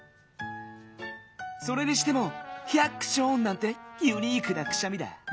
それにしても「ヒャクショーン！」なんてユニークなくしゃみだ。